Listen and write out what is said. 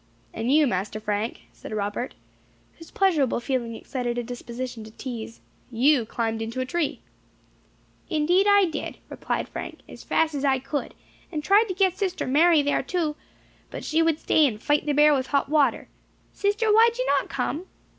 "And you, Master Frank," said Robert, whose pleasurable feeling excited a disposition to teaze, "you climbed into a tree." "Indeed I did," replied Frank, "as fast as I could, and tried to get sister Mary there too. But she would stay and fight the bear with hot water. Sister, why did you not come?"